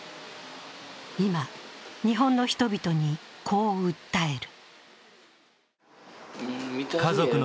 今、日本の人々に、こう訴える。